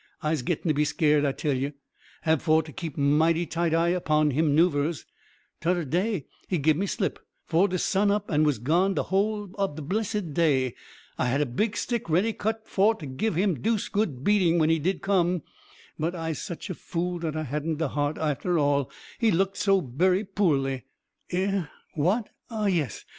Ise gittin' to be skeered, I tell you. Hab for to keep mighty tight eye 'pon him 'noovers. Todder day he gib me slip 'fore de sun up and was gone de whole ob de blessed day. I had a big stick ready cut for to gib him deuced good beating when he did come but Ise sich a fool dat I hadn't de heart arter all he looked so berry poorly." "Eh? what? ah yes!